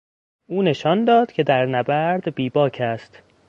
او نشان داد که در نبرد بیباک است.